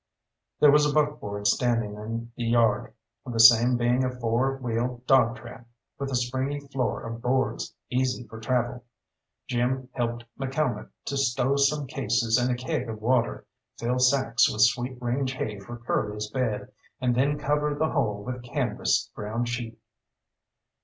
There was a buckboard standing in the yard, the same being a four wheel dogtrap, with a springy floor of boards, easy for travel. Jim helped McCalmont to stow some cases and a keg of water, fill sacks with sweet range hay for Curly's bed, and then cover the whole with a canvas ground sheet.